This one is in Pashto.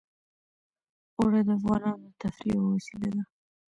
اوړي د افغانانو د تفریح یوه وسیله ده.